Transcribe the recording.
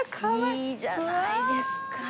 いいじゃないですか！